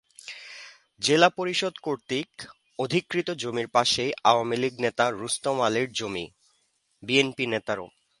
জেলা পরিষদ কর্তৃক অধিকৃত জমির পাশেই আওয়ামী লীগ নেতা রুস্তম আলীর জমি।